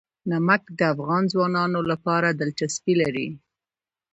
نمک د افغان ځوانانو لپاره دلچسپي لري.